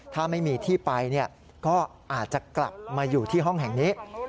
ถ้าไม่มีที่ไปก็อาจจะกลับมาอยู่ที่ห้องแห่งนี้